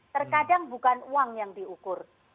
terkadang bukan uang yang diukur